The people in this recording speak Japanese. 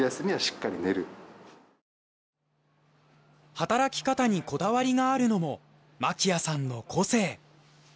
働き方にこだわりがあるのも真喜屋さんの個性。